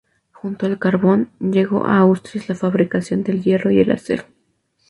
Junto al carbón, llegó a Asturias la fabricación del hierro y el acero.